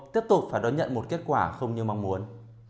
tiếp tục phải đón nhận một kết quả không như mong muốn